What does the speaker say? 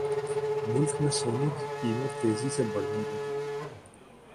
ملک میں سونے کی قیمت تیزی سے بڑھنے لگی